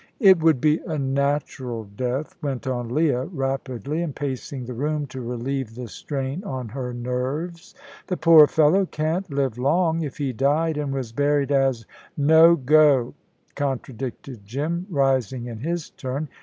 "It would be a natural death," went on Leah, rapidly, and pacing the room to relieve the strain on her nerves. "The poor fellow can't live long. If he died, and was buried as " "No go," contradicted Jim, rising in his turn.